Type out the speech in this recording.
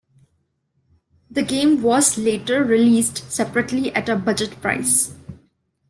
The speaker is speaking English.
The game was later released separately at a budget price.